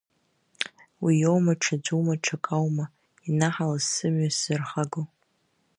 Уи иоума, ҽаӡәума, ҽак аума ианаҳалаз сымҩа сзырхаго!